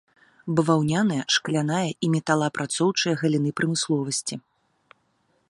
Баваўняная, шкляная і металаапрацоўчая галіны прамысловасці.